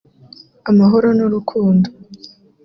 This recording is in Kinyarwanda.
amahoro n’urukundo